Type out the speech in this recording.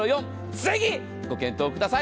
ぜひご検討ください。